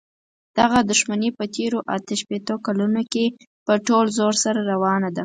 دغه دښمني په تېرو اته شپېتو کالونو کې په ټول زور سره روانه ده.